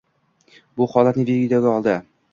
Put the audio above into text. Bu holatni videoga oldi.